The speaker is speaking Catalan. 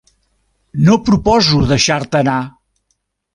No proposo deixar-te anar.